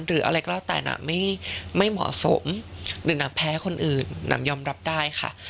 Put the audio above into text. หรืออะไรก็แล้วแต่น่ะไม่เหมาะสมหรือหนังแพ้คนอื่นหนังยอมรับได้ค่ะ